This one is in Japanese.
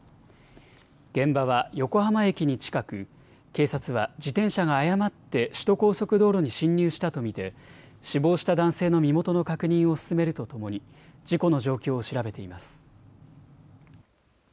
現場は横浜駅に近く警察は自転車が誤って首都高速道路に進入したと見て死亡した男性の身元の確認を進めるとともに事故の状況を調べています。